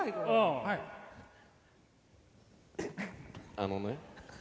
あのね